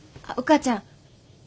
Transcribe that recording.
あっお母ちゃん。